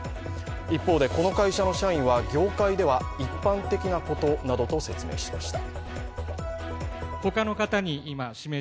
一方で、この会社の社員は業界では一般的なことなどと説明しました。